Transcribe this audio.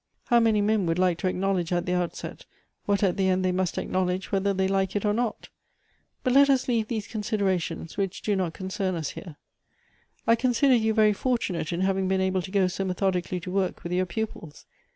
How many men would like to acknowledge at the outset, what at the end they must acknowledge whether they like it or . not ? But let us leave these considerations, which do not concern us here. " I consider you very fortunate in having been able to go so methodically to work with your pupils.